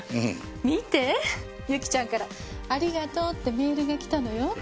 見てユキちゃんからありがとうってメールが来たのよ。